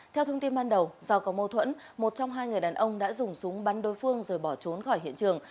theo thông tin ban đầu do có mâu thuẫn một trong hai người đàn ông đã dùng súng bắn đối phương rồi bỏ trốn khỏi hiện trường